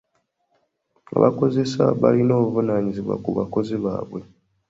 Abakozesa balina obuvunaanyizibwa ku bakozi baabwe.